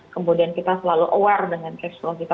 kemudian kita selalu aware dengan ekstron kita seperti bagaimana